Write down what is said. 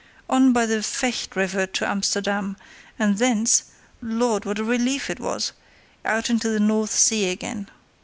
On by the Vecht river to Amsterdam, and thence—Lord, what a relief it was!—out into the North Sea again.